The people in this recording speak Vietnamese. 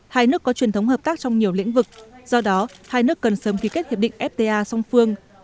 hai nước có truyền thống hợp tác trong nhiều lĩnh vực do đó hai nước cần sớm ký kết hiệp định fta song phương